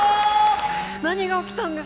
何が起きたんだ。